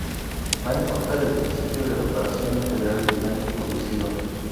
Va en contra del principio de reparación integral del daño producido.